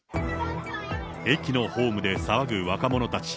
駅のホームで騒ぐ若者たち。